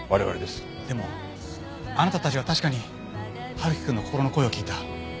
でもあなたたちは確かに春樹くんの心の声を聞いた。